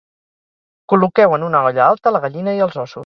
Col·loqueu en una olla alta la gallina i els ossos